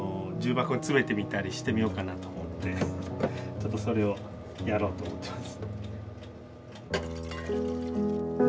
ちょっとそれをやろうと思ってます。